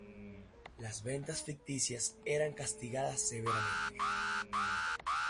Las ventas ficticias eran castigadas severamente.